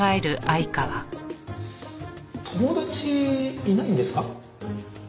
友達いないんですか？